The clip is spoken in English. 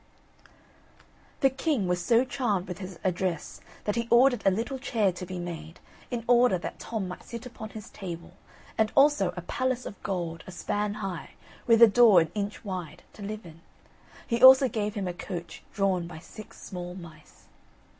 The king was so charmed with his address that he ordered a little chair to be made, in order that Tom might sit upon his table, and also a palace of gold, a span high, with a door an inch wide, to live in. He also gave him a coach, drawn by six small mice.